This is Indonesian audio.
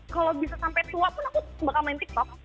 kalau bisa sampai tua pun aku bakal main tiktok